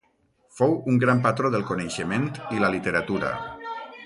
Fou un gran patró del coneixement i la literatura.